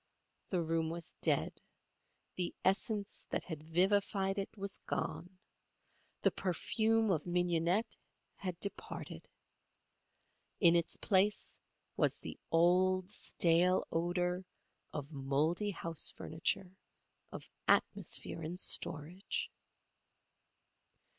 The room was dead. The essence that had vivified it was gone. The perfume of mignonette had departed. In its place was the old, stale odour of mouldy house furniture, of atmosphere in storage.